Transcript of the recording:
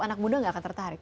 anak muda gak akan tertarik